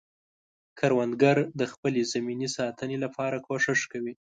کروندګر د خپلې زمینې د ساتنې لپاره کوښښ کوي